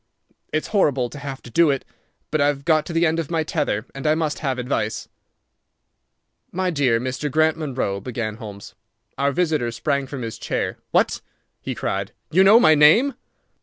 It's horrible to have to do it. But I've got to the end of my tether, and I must have advice." "My dear Mr. Grant Munro—" began Holmes. Our visitor sprang from his chair. "What!" he cried, "you know my name?"